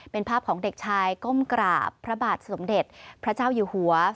เป็นภาพของเด็กชายก้มกราบพระบาทสมเด็จพระเจ้าอยู่หัว